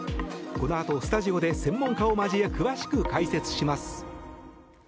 このあと、スタジオで専門家を交え詳しく解説します。